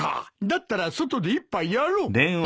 だったら外で一杯やろう。